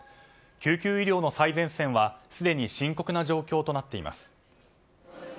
救急医療の最前線はすでに深刻な状況となっています。